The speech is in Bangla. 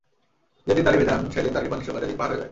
যেদিন দাড়ি ভেজান, সেদিন দাড়ির পানি শুকাতে দিন পার হয়ে যায়।